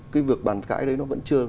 cái vượt bàn cãi đấy nó vẫn chưa